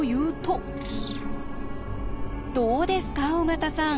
どうですか尾形さん。